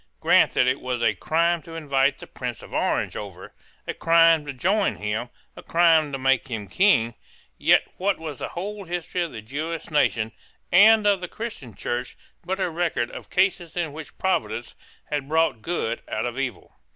Grant that it was a crime to invite the Prince of Orange over, a crime to join him, a crime to make him King; yet what was the whole history of the Jewish nation and of the Christian Church but a record of cases in which Providence had brought good out of evil?